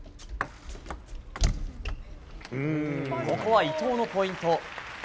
ここは伊藤のポイント。